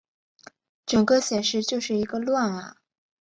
整个显示就是一个乱啊